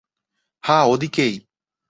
হ্যাঁ, ওদিকেই।